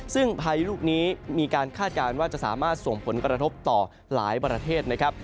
ซึ่งพายุลูกนี้มีการคาดการณ์ว่าจะสามารถส่งผลกระทบต่อหลายประเทศนะครับ